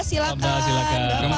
terima kasih banyak pak